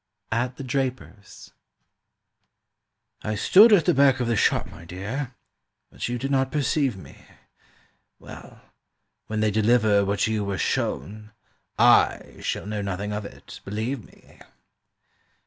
XII AT THE DRAPER'S "I STOOD at the back of the shop, my dear, But you did not perceive me. Well, when they deliver what you were shown I shall know nothing of it, believe me!"